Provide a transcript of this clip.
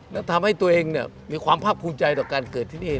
และทำให้ตัวเองมีความภาคภูมิใจต่อการเกิดที่นี่